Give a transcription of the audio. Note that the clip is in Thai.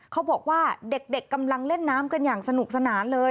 เขาบอกว่าเด็กกำลังเล่นน้ำกันอย่างสนุกสนานเลย